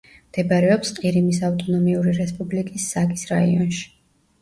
მდებარეობს ყირიმის ავტონომიური რესპუბლიკის საკის რაიონში.